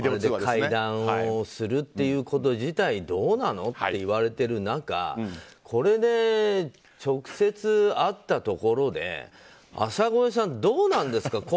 会談をするっていうこと自体どうなの？って言われている中これで直接会ったところで浅越さん、どうなんですか